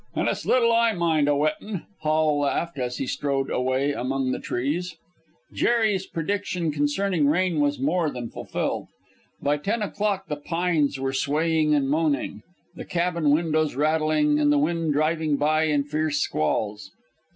"And it's little I mind a wettin'," Hall laughed, as he strode away among the trees. Jerry's prediction concerning rain was more than fulfilled. By ten o'clock the pines were swaying and moaning, the cabin windows rattling, and the rain driving by in fierce squalls.